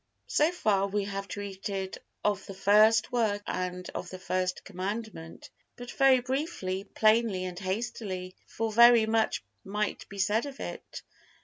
So far we have treated of the first work and of the First Commandment, but very briefly, plainly and hastily, for very much might be said of it.